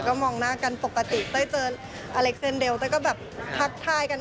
ก็มองหน้ากันปกติเต้ยเจออเล็กเซ็นเดลเต้ยก็แบบทักทายกัน